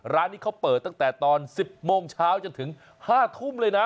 ร้านนี้เขาเปิดตั้งแต่ตอน๑๐โมงเช้าจนถึง๕ทุ่มเลยนะ